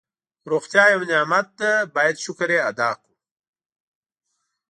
روغتیا یو نعمت ده باید شکر یې ادا کړو.